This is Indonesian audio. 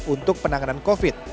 untuk penanganan covid sembilan belas